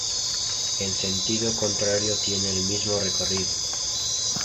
En sentido contrario tiene el mismo recorrido.